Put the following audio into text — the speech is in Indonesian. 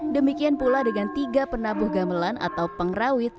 demikian pula dengan tiga penabuh gamelan atau pengrawit